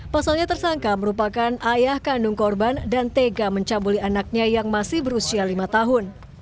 pasalnya tersangka merupakan ayah kandung korban dan tega mencabuli anaknya yang masih berusia lima tahun